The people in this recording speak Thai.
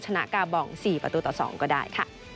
ชนะกาบอง๔ประตูต่อ๒ก็ได้